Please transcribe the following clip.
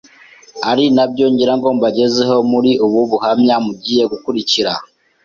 ari nabyo ngirango mbagezeho muri ubu buhamya mugiye gukurikira.